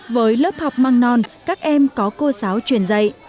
với lớp học mầm non các em có cô giáo truyền dạy